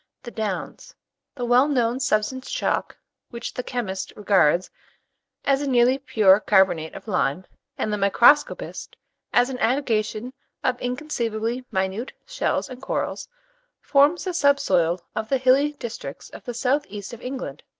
THE DOWNS. The well known substance chalk, which the chemist regards as a nearly pure carbonate of lime, and the microscopist as an aggregation of inconceivably minute shells and corals, forms the sub soil of the hilly districts of the south east of England.